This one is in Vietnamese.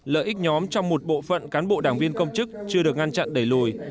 lợi ích nhóm trong một bộ phận cán bộ đảng viên công chức chưa được ngăn chặn đẩy lùi